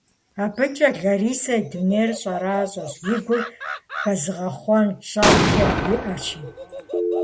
Абыкӏи Ларисэ и дунейр щӏэращӏэщ – и гур хэзыгъэхъуэн щӏэблэ иӏэщи.